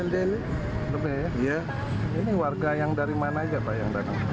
ini warga yang dari mana aja pak